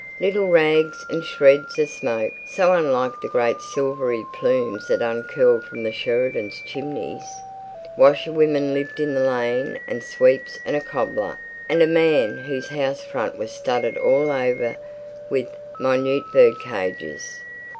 Little rags and shreds of smoke, so unlike the great silvery plumes that uncurled from the Sheridans' chimneys. Washerwomen lived in the lane and sweeps and a cobbler, and a man whose house front was studded all over with minute bird cages.